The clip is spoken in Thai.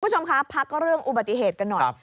คุณผู้ชมคะพักเรื่องอุบัติเหตุกันหน่อย